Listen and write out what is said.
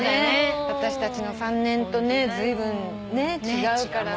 私たちの３年とねずいぶん違うからさ。